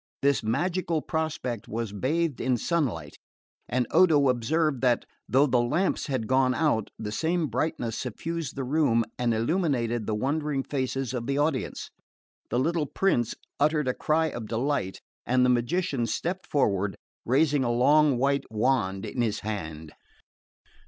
This magical prospect was bathed in sunlight, and Odo observed that, though the lamps had gone out, the same brightness suffused the room and illuminated the wondering faces of the audience. The little prince uttered a cry of delight, and the magician stepped forward, raising a long white wand in his hand.